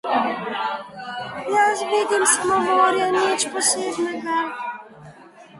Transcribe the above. Jaz vidim samo morje, nič posebnega.